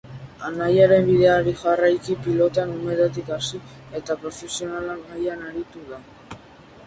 Anaiaren bideari jarraiki, pilotan umetatik hasi, eta profesional mailan aritua da.